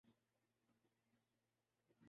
دریا کا پانی بہتا ہی رہتا ہے